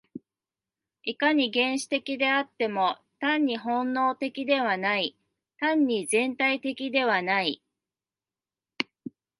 いかに原始的であっても、単に本能的ではない、単に全体的ではない。